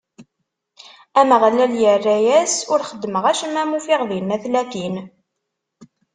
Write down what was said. Ameɣlal irra-as: Ur xeddmeɣ acemma ma ufiɣ dinna tlatin.